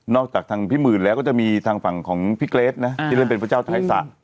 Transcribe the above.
จากทางพี่หมื่นแล้วก็จะมีทางฝั่งของพี่เกรทนะที่เล่นเป็นพระเจ้าไทยสระ